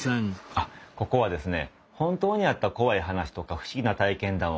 あっここはですね